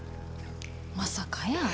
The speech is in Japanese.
まさかやー。